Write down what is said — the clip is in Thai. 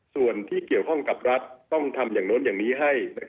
ส่วนที่เกี่ยวข้องกับรัฐต้องทำอย่างโน้นอย่างนี้ให้